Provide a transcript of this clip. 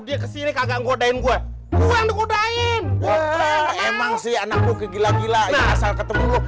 dia kesini kagak ngodain gue gue yang dikodain emang sih anak gue ke gila gila asal ketemu lo